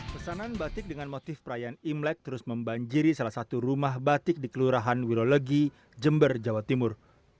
pesanan batik dengan motif perayaan imlek terus membanjiri salah satu rumah batik di kelurahan wirolegi jember jawa timur